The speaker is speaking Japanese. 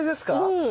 うん。